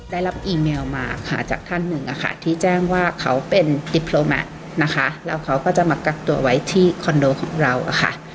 ได้รับอีเมลมาค่ะจากท่านหนึ่งอะค่ะที่แจ้งว่าเขาเป็นติโปรแมทนะคะแล้วเขาก็จะมากักตัวไว้ที่คอนโดของเราอะค่ะ